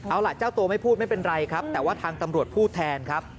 เอาล่ะเจ้าตัวไม่พูดไม่เป็นไรครับแต่ว่าทางตำรวจพูดแทนครับ